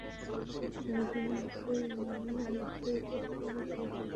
জনসম্মুখে আমার মুখে চুনকালি দিও না।